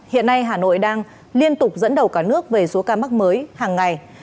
hiện nay hà nội đang liên tục dẫn đầu cả nước về số ca mắc mới hàng ngày